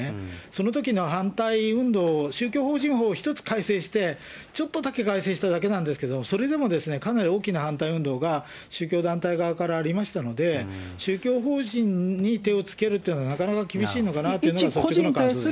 そのときの反対運動、宗教法人法１つ改正して、ちょっとだけ改正しただけなんですけど、それでもかなり大きな反対運動が宗教団体側からありましたので、宗教法人に手をつけるというのは、なかなか厳しいのかなという感じがしますね。